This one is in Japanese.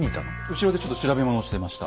後ろでちょっと調べ物をしてました。